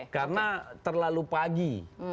karena terlalu pagi